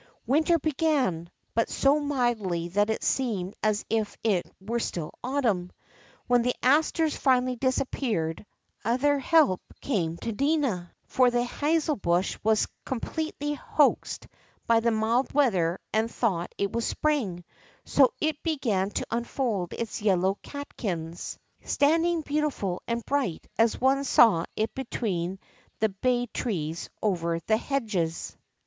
Winter began ; but so mildly that it seemed as if it were still autumn. When the asters finally disap peared, other help came to Nina ; for the hazelbush was completely hoaxed by the mild weather and thought it was spring ; so it began to unfold its yellow cat kins, standing beautiful and bright as one saw it between the baiw trees over the hedges.